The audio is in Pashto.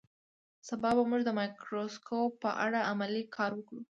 سبا به موږ د مایکروسکوپ په اړه عملي کار وکړو